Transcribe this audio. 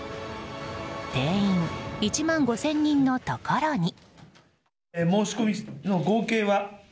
定員１万５０００人のところに。